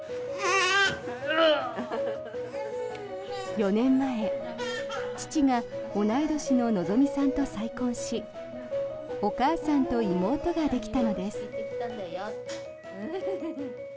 ４年前、父が同い年の希望さんと再婚しお母さんと妹ができたのです。